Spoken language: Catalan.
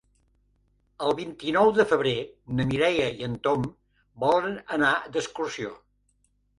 El vint-i-nou de febrer na Mireia i en Tom volen anar d'excursió.